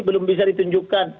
belum bisa ditunjukkan